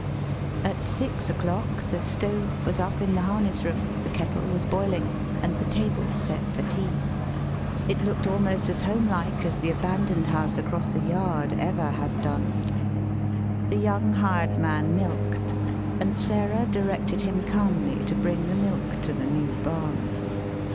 At six o'clock the stove was up in the harness room, the kettle was boiling, and the table set THE SPEAKING VOICE for tea. It looked almost as homelike as the abandoned house across the yard ever had done. The young hired man milked, and Sarah directed him calmly to bring the milk to the new barn.